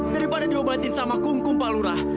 daripada diobatin sama kungkum pak lurah